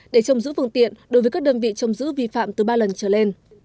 để trồng giữ phương tiện đối với các đơn vị trồng giữ vi phạm từ ba lần trở lên